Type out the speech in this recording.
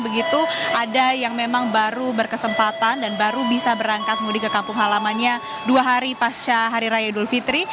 begitu ada yang memang baru berkesempatan dan baru bisa berangkat mudik ke kampung halamannya dua hari pasca hari raya idul fitri